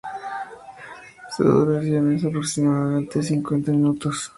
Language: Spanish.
Su duración es de aproximadamente cincuenta minutos.